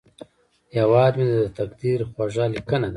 هیواد مې د تقدیر خوږه لیکنه ده